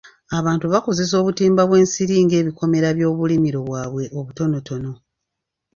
Abantu bakozesa obutimba bw'ensiri ng'ebikomera byobulimiro bwabwe obutono.